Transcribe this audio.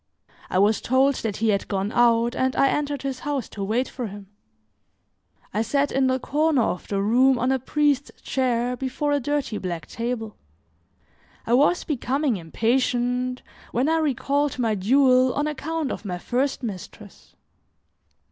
I was told that he had gone out, and I entered his house to wait for him. I sat in the corner of the room on a priest's chair before a dirty black table. I was becoming impatient when I recalled my duel on account of my first mistress.